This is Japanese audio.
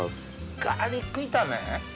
ガーリック炒め？